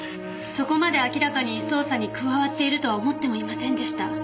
そこまで明らかに捜査に加わっているとは思ってもいませんでした。